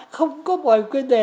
không có bởi quyên đề